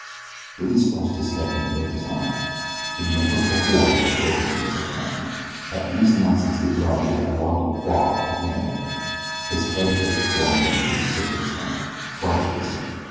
Billy scratched his head, and blinked his eyes. He never before had been spoken to in any such fashion at least not since he had put on the avoirdupois of manhood. His head ached horribly and he was sick to his stomach frightfully sick.